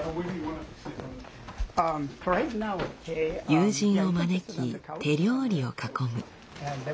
友人を招き手料理を囲む。